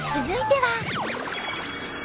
続いては。